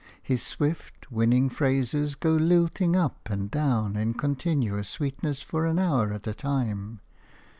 His swift, winning phrases go lilting up and down in continuous sweetness for an hour at a time.